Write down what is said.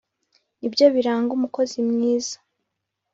. Ni byo biranga umukozi mwiza.